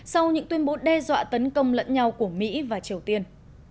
sau những tuyên bố đe dọa tấn công lẫn nhau của mỹ và triều tiên